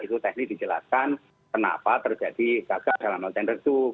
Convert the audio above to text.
itu teknis dijelaskan kenapa terjadi gagal tender itu